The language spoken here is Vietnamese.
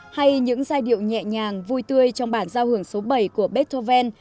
hay những giai điệu nhẹ nhàng vui tươi trong bản giao hưởng số bảy của beethoven